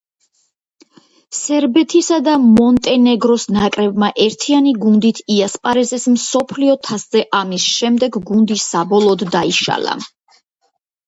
სერბეთისა და მონტენეგროს ნაკრებმა ერთიანი გუნდით იასპარეზეს მსოფლიო თასზე ამის შემდეგ გუნდი საბოლოოდ დაიშალა.